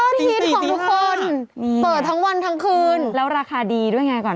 ฮิตของทุกคนเปิดทั้งวันทั้งคืนแล้วราคาดีด้วยไงก่อน